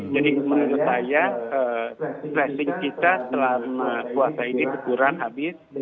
jadi menurut saya tracing kita selama puasa ini berkurang habis